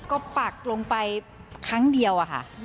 ก็ปักลงไปครั้งเดียว